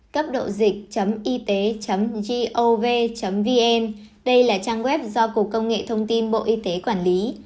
cấp độ dịch y tế gov vn đây là trang web do cục công nghệ thông tin bộ y tế quản lý